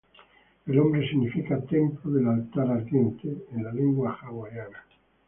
El nombre significa "templo del altar ardiente" en la lengua hawaiana.